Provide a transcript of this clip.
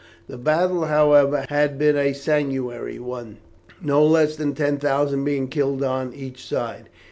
The battle, however, had been a sanguinary one, no less than ten thousand being killed on each side.